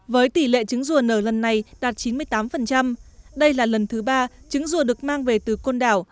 với tỷ lệ trứng rùa nở lần này đạt chín mươi tám đây là lần thứ ba trứng rùa được mang về từ côn đảo